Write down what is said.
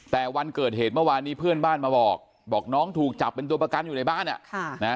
แต่วันเกิดเหตุเมื่อวานนี้เพื่อนบ้านมาบอกบอกน้องถูกจับเป็นตัวประกันอยู่ในบ้าน